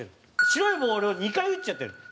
白いボールを２回打っちゃってるの。